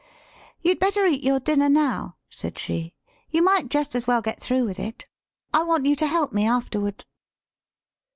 " You'd better eat your dinner now," said she. " You might jest as well get through with it. I want you to help me afterward."